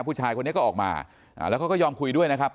ผู้ชายคนนี้ก็ออกมาแล้วเขาก็ยอมคุยด้วยนะครับ